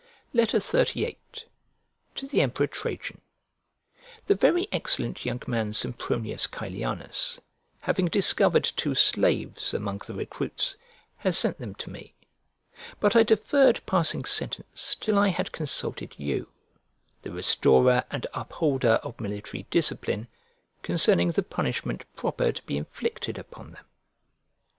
XXXVIII To THE EMPEROR TRAJAN THE very excellent young man Sempronius Caelianus, having discovered two slaves among the recruits, has sent them to me. But I deferred passing sentence till I had consulted you, the restorer and upholder of military discipline, concerning the punishment proper to be inflicted upon them.